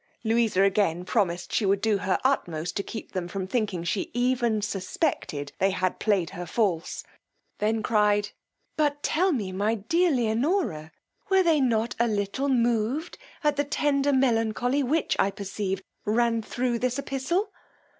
Louisa again promised she would do her utmost to keep them from thinking she even suspected they had played her false; then cried, But tell me, my dear Leonora, were they not a little moved at the tender melancholy which, I perceive, ran thro' this epistle?